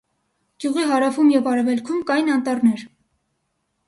Գյուղի հարավում և արևելքում կային անտառներ։